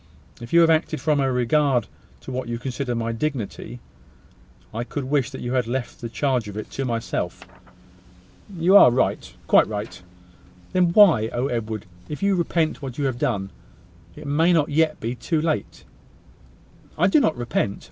If you have acted from a regard to what you consider my dignity, I could wish that you had left the charge of it to myself." "You are right: quite right." "Then why . Oh! Edward, if you repent what you have done, it may not yet be too late!" "I do not repent.